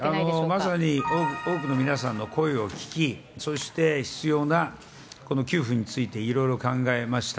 まさに多くの皆さんの声を聞き、そして必要な給付についていろいろ考えました。